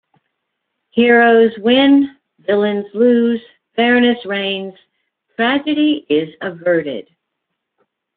Heroes win, villains lose, fairness reigns, tragedy is averted.